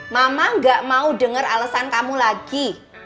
mama gak mau dengar alasan kamu lagi